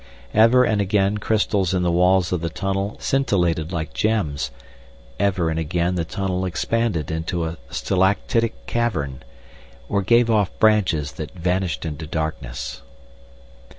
Ever and again crystals in the walls of the tunnel scintillated like gems, ever and again the tunnel expanded into a stalactitic cavern, or gave off branches that vanished into darkness.